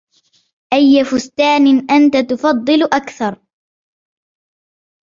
أي فستان أنتَ تُفضِل أكثر ؟